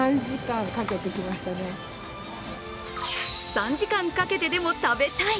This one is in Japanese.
３時間かけてでも食べたい！